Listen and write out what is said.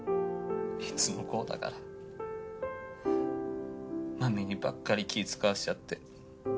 いつもこうだから真美にばっかり気遣わせちゃって。